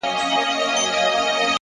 تر مرگه پوري هره شـــپــــــه را روان ـ